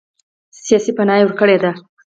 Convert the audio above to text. سیاسي پناه ورکړې ده.